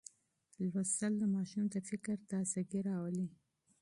مطالعه د ماشوم د فکر تازه ګي راولي.